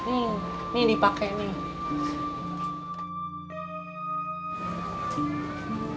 ini dipake nih